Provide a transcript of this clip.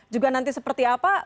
juga nanti seperti apa